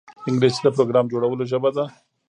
انګلیسي د پروګرام جوړولو ژبه ده